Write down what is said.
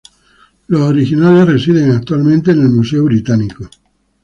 Los originales residen actualmente en el Museo Británico.